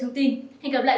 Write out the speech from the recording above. hẹn gặp lại hẹn gặp lại